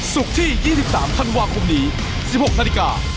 สุขที่๒๓ธันวาคมนี้๑๖นาทีกา